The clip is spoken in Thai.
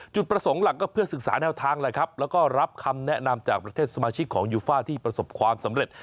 จุดประสงค์หลักก็เพื่อศึกษาแนวทางแหละครับแล้วก็รับคำแนะนำจากประเทศสมาชิกของยูฟ่าที่ประสบความสำเร็จ